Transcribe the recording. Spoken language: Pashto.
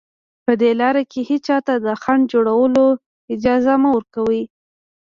په دې لاره کې هېچا ته د خنډ جوړولو اجازه مه ورکوئ